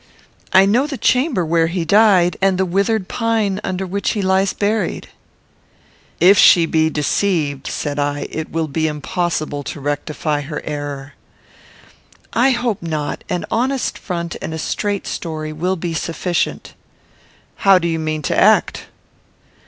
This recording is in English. I know the chamber where he died, and the withered pine under which he lies buried." "If she be deceived," said I, "it will be impossible to rectify her error." "I hope not. An honest front and a straight story will be sufficient." "How do you mean to act?"